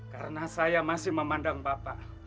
karena saya masih memandang bapak